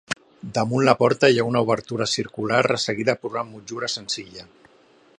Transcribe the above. Damunt la porta hi ha una obertura circular resseguida per una motllura senzilla.